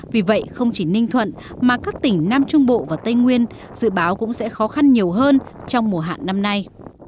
vì vậy không chỉ ninh thuận mà các tỉnh nam trung bộ và tây nguyên dự báo cũng sẽ khó khăn nhiều hơn trong mùa hạn năm nay